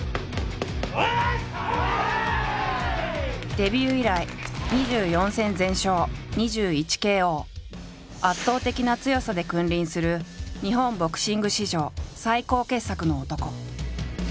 デビュー以来圧倒的な強さで君臨する日本ボクシング史上最高傑作の男。